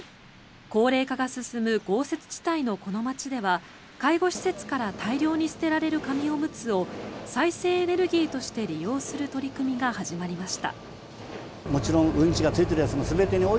高齢化が進む豪雪地帯のこの街では介護施設から大量に捨てられる紙おむつを再生エネルギーとして利用する取り組みが始まりました。